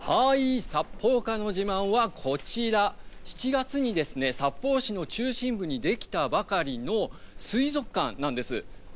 はい、札幌からの自慢はこちら７月にですね札幌市の中心部にできたばかりの水族館なんです。